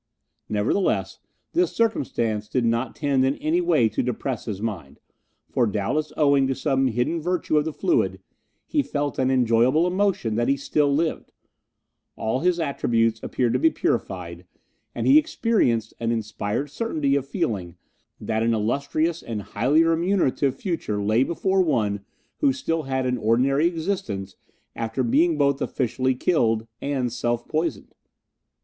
Nevertheless, this circumstance did not tend in any way to depress his mind, for, doubtless owing to some hidden virtue of the fluid, he felt an enjoyable emotion that he still lived; all his attributes appeared to be purified, and he experienced an inspired certainty of feeling that an illustrious and highly remunerative future lay before one who still had an ordinary existence after being both officially killed and self poisoned.